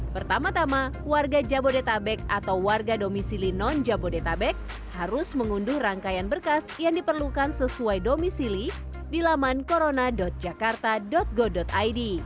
pertama tama warga jabodetabek atau warga domisili non jabodetabek harus mengunduh rangkaian berkas yang diperlukan sesuai domisili di laman corona jakarta go id